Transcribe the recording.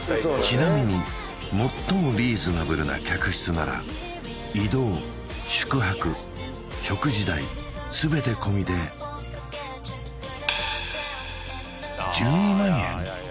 ちなみに最もリーズナブルな客室なら移動宿泊食事代全て込みで１２万円！？